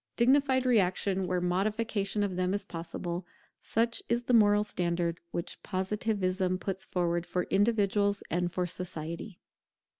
Dignified reaction where modification of them is possible; such is the moral standard which Positivism puts forward for individuals and for society.